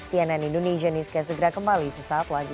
cnn indonesia newscast segera kembali sesaat lagi